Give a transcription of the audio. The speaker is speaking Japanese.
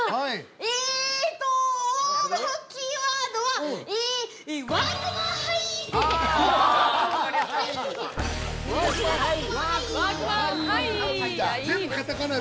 えーと、キーワードは、「ワークマンハイ」で。